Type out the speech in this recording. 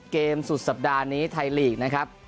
เกมสุดสัปดาห์นี้ไทยลีกนะครับ